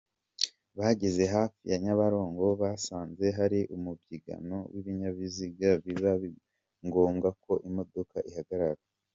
Bageze hafi ya Nyabarongo basanze hari umubyigano w’ibinyabiziga biba ngombwa ko imodoka ihagarara.